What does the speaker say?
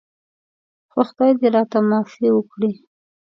خو خدای دې راته معافي وکړي.